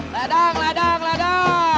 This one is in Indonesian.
ledang ledang ledang